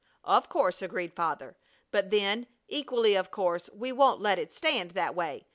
"Of course," agreed Father; "but then, equally of course we won't let it stand that way.